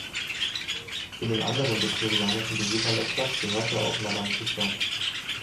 Zu den anderen viktorianischen Besuchern der Stadt gehörte auch Madame Tussaud.